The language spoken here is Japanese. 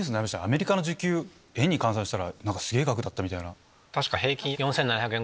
アメリカの時給円に換算したらすげぇ額だったみたいな。